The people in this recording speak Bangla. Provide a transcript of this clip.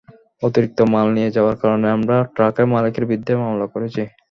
অতিরিক্ত মাল নিয়ে যাওয়ার কারণে আমরা ট্রাকের মালিকের বিরুদ্ধে মামলা করেছি।